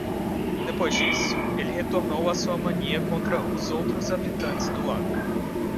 Depois disso, ele retornou à sua mania contra os outros habitantes do lago.